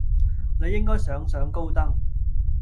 你應該上上高登